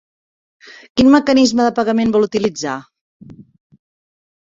Quin mecanisme de pagament vol utilitzar?